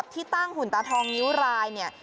ที่ตั้งหุ่นตาทองนิ้วรายเนี่ย